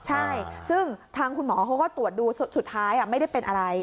ใช่ซึ่งทางคุณหมอเขาก็ตรวจดูสุดท้ายไม่ได้เป็นอะไร